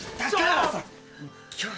今日。